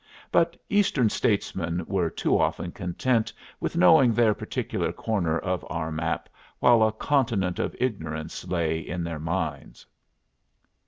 But Eastern statesmen were too often content with knowing their particular corner of our map while a continent of ignorance lay in their minds.